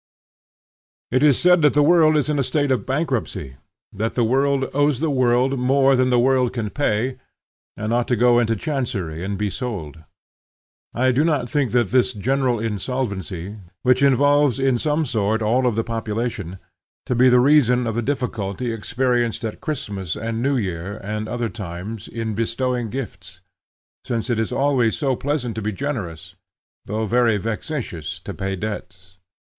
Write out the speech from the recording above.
V. GIFTS. IT is said that the world is in a state of bankruptcy; that the world owes the world more than the world can pay, and ought to go into chancery and be sold. I do not think this general insolvency, which involves in some sort all the population, to be the reason of the difficulty experienced at Christmas and New Year and other times, in bestowing gifts; since it is always so pleasant to be generous, though very vexatious to pay debts.